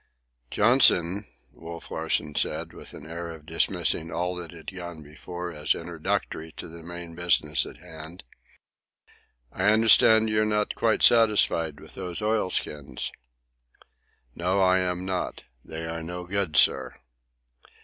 "Johnson," Wolf Larsen said, with an air of dismissing all that had gone before as introductory to the main business in hand, "I understand you're not quite satisfied with those oilskins?" "No, I am not. They are no good, sir."